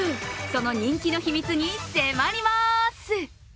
その人気の秘密に迫ります。